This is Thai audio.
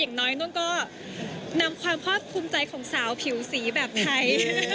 อย่างน้อยนุ่นก็นำความภาคภูมิใจของสาวผิวสีแบบไทย